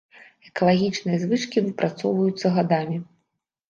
Экалагічныя звычкі выпрацоўваюцца гадамі.